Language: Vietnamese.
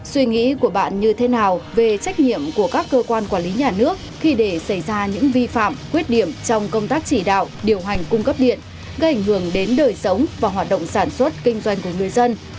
suy nghĩ của bạn như thế nào về trách nhiệm của các cơ quan quản lý nhà nước khi để xảy ra những vi phạm khuyết điểm trong công tác chỉ đạo điều hành cung cấp điện gây ảnh hưởng đến đời sống và hoạt động sản xuất kinh doanh của người dân